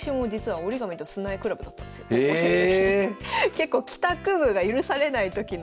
結構帰宅部が許されないときの。